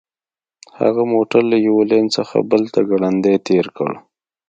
هغه موټر له یوه لین څخه بل ته ګړندی تیر کړ